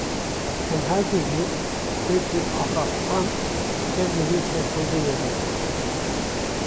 Em herdu jî, wekî axaftvan tev li vê sempozyûmê bûn